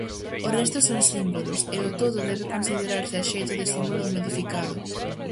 O resto son símbolos, e o todo debe considerarse a xeito de símbolo modificado.